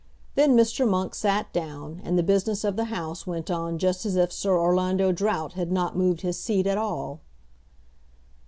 Then Mr. Monk sat down, and the business of the House went on just as if Sir Orlando Drought had not moved his seat at all.